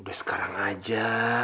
udah sekarang aja